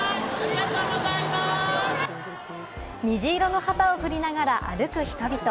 虹色の旗を振りながら歩く人々。